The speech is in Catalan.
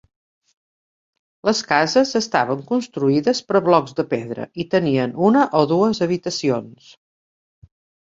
Les cases estaven construïdes per blocs de pedra i tenien una o dues habitacions.